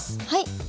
はい。